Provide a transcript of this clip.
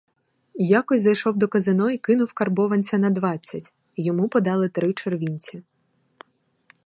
Якось зайшов до казино й кинув карбованця на двадцять — йому подали три червінці.